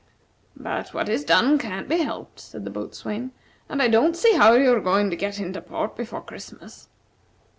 "But what is done can't be helped," said the boatswain, "and I don't see how you are going to get into port before Christmas."